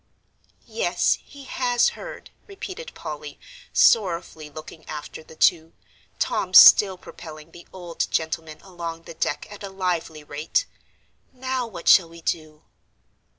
"Yes, he has heard," repeated Polly, sorrowfully looking after the two, Tom still propelling the old gentleman along the deck at a lively rate; "now, what shall we do?"